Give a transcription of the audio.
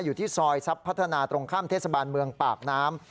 อยู่ที่ซอยทรัพย์พัฒนาตรงข้ามเทศบาลเมืองปากน้ำ